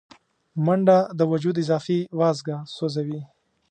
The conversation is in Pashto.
منډه د وجود اضافي وازګه سوځوي